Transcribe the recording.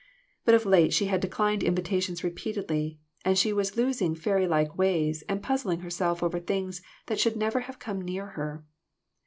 But of late she had declined invitations repeatedly, and she was losing fairy like ways and puzzling herself over things that should never have come near her.